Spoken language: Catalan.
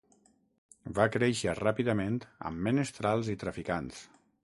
Va créixer ràpidament amb menestrals i traficants.